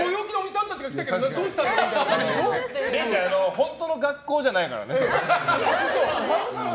本当の学校じゃないからね。